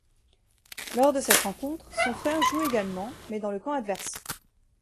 Lors de cette rencontre, son frère joue également mais dans le camp adverse.